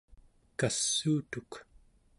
kassuutuk